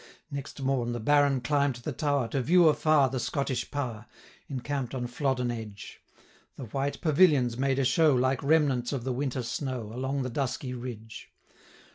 550 Next morn the Baron climb'd the tower, To view afar the Scottish power, Encamp'd on Flodden edge: The white pavilions made a show, Like remnants of the winter snow, 555 Along the dusky ridge.